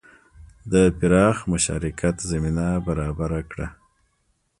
د پراخ مشارکت زمینه برابره کړه.